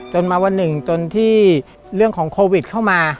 จนมาวันหนึ่งจนที่เรื่องของโควิดเข้ามา